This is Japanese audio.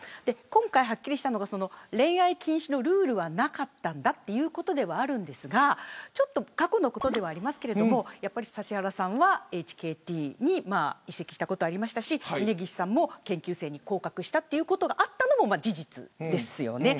今回はっきりしたのが恋愛禁止のルールはなかったんだということではあるんですが過去のことではありますが指原さんはＨＫＴに移籍したことがありましたし峯岸さんも研究生に降格したということがあったのも事実ですよね。